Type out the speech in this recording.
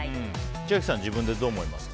千秋さん、自分でどう思いますか？